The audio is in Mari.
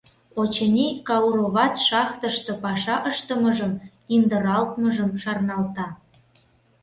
Очыни, Кауроват шахтыште паша ыштымыжым, индыралтмыжым шарналта.